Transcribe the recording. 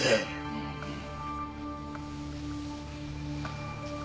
うんうん。